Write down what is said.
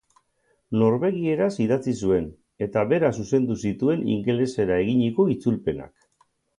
Norvegieraz idatzi zuen, eta berak zuzendu zituen ingelesera eginiko itzulpenak.